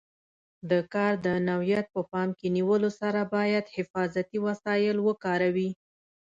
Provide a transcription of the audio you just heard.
د کار د نوعیت په پام کې نیولو سره باید حفاظتي وسایل وکاروي.